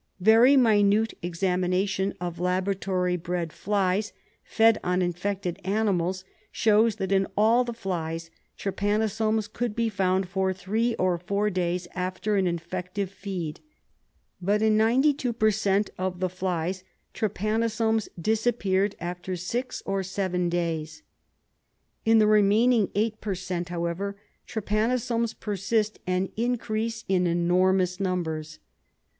Very minute examination of laboratory bred flies, fed on infected animals, showed that in all the flies trypanosomes could be found for three or four days after an infective feed. But in 92 per cent, of the flies trypanosomes disappeared after six or seven days. In the remaining eight per cent., however, trypanosomes persist and increase in enormous numbers.